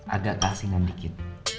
agak kehasilan dikit